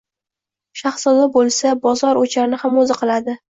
Shahzoda bo`lsa, bozor-o`charni ham o`zi qiladi